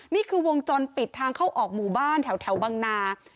นี่คือวงจรปิดทางเข้าออกหมู่บ้านแถวบังนา